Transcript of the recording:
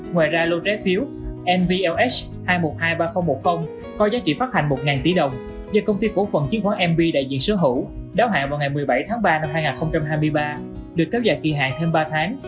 ngoài ra lô trái phiếu nvlh hai triệu một trăm hai mươi ba nghìn một mươi có giá trị phát hành một tỷ đồng do công ty cổ phần chiến khoán mb đại diện sở hữu đáo hạn vào ngày một mươi bảy tháng ba năm hai nghìn hai mươi ba được kéo dài kỳ hạn thêm ba tháng